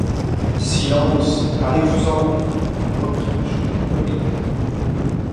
Silence! allez-vous en ! repris-je, peu clément.